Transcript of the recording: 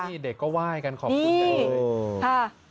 นี่เด็กก็ไหว้กันขอบคุณกันเลย